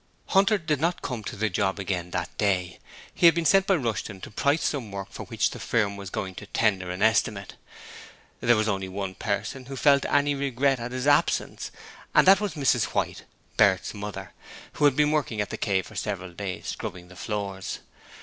Hunter did not come to the job again that day: he had been sent by Rushton to price some work for which the firm was going to tender an estimate. There was only one person who felt any regret at his absence, and that was Mrs White Bert's mother, who had been working at 'The Cave' for several days, scrubbing the floors.